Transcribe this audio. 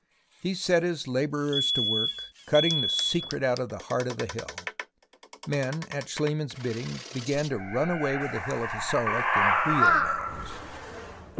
He set his labourers to work, cutting the secret out of the heart of the hill. Men, at Schliemann's bidding 170 THE ROMANCE OF EXCAVATION began to run away with the hill of Hissarlik in wheelbarrows.